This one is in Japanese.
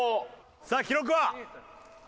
さあ記録は？